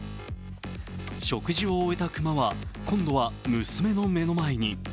食事を終えた熊は今度は娘の目の前に。